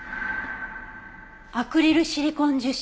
「アクリルシリコン樹脂」？